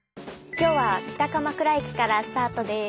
今日は北鎌倉駅からスタートです。